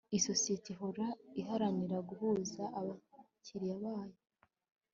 isosiyete ihora iharanira guhaza abakiriya bayo